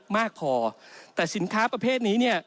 มากพอแต่สินค้าประเภทนี้เนี่ย